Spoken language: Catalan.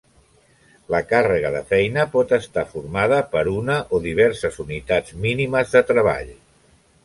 La càrrega de feina pot estar formada per una o diverses unitats mínimes de treball.